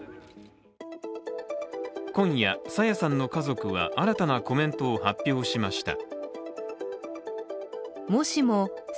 今夜、朝芽さんの家族は新たなコメントを発表しました。